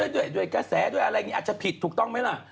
ด้วยกระแสด้วยอะไรอาจจะผิดถูกต้องไหมล่ะ